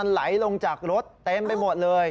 ไหลลงจากรถเต็มไปหมดเลย